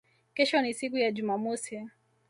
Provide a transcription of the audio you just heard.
Kesho ni siku ya Jumamosi